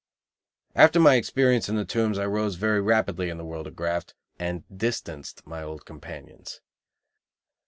After my experience in the Tombs I rose very rapidly in the world of graft, and distanced my old companions.